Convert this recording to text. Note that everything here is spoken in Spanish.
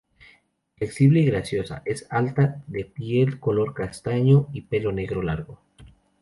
Flexible y graciosa, es alta, de piel color castaño y pelo negro y largo.